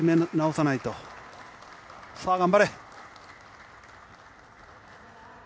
さあ頑張れ。